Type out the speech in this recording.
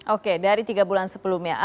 oke dari tiga bulan sebelumnya